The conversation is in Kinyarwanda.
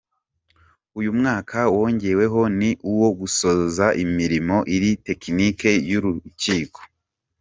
Uyu mwaka wongeweho ni uwo gusoza imirimo iri tekinike y’uru rukiko.